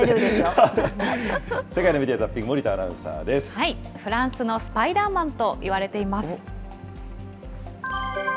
世界のメディア・ザッピング、フランスのスパイダーマンと言われています。